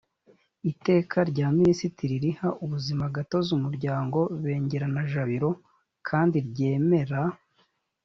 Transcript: iteka rya minisitiri riha ubuzimagatozi umuryango bengerana jabiro kandi ryemera